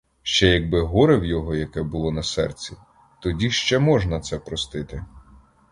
Ще якби горе в його яке було на серці, тоді ще можна це простити.